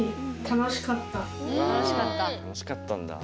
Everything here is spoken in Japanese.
楽しかったんだ。